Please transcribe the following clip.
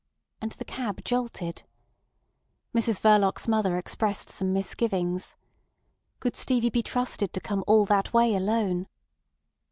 And the cab jolted. Mrs Verloc's mother expressed some misgivings. Could Stevie be trusted to come all that way alone?